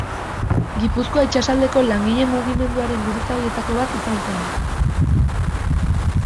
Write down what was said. Gipuzkoa itsasaldeko langile-mugimenduaren buruzagietako bat izan zen.